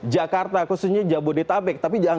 jakarta khususnya jabodetabek tapi jangan